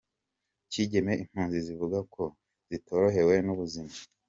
Kigeme Impunzi zivuga ko zitorohewe n’ubuzima